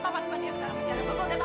bapak udah tahu kan